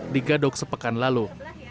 di gadog sepekan lalu